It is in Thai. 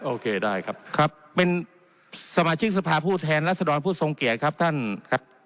โอเคได้ครับครับเป็นสมาชิกสภาพผู้แทนรัศดรผู้ทรงเกียจครับท่านครับ